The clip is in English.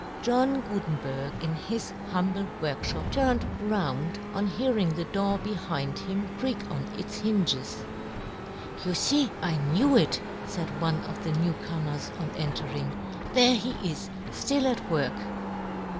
John Gutenberg, in his humble 32 yohn Gutenberg. workfliop, turned round on hearing the door behind him creak on its hinges. " You fee, I knew it," faid one of the new comers on entering, " there he is, ftill at work."